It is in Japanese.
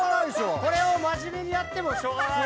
これを真面目にやってもしょうがない。